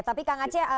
tapi kang aceh